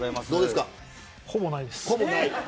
ほぼないです。